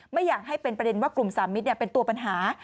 ไม่อยากให้เป็นประเด็นว่ากลุ่มสามมิตรเป็นตัวปัญหา